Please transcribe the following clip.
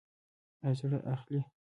ایا زړه اخلئ؟